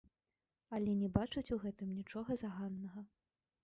Але не бачыць у гэтым нічога заганнага.